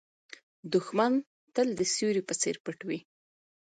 دښمن تل د سیوري په څېر پټ وي